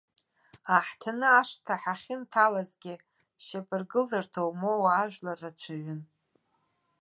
Аҳҭны ашҭа ҳахьынҭалазгьы шьапыргыларҭа умоуа ажәлар рацәаҩын.